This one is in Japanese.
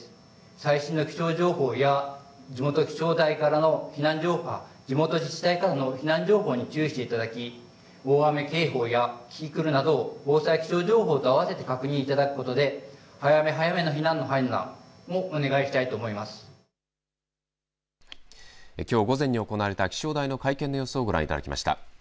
最新の気象情報や地元自治体からの避難情報に注意していただき大雨警報やキキクルなどを防災気象情報と合わせて確認していただくことで、早め早めの避難の判断きょう午前に行われた気象台の会見の様子をご覧いただきました。